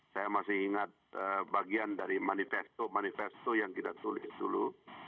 saya masih ingat bagian dari manifesto manifesto yang kita tulis dulu